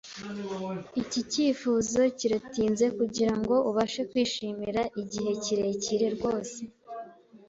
Iki cyifuzo kiratinze kugirango ubashe kwishimira igihe kirekire rwose